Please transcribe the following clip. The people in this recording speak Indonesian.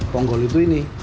ponggol itu ini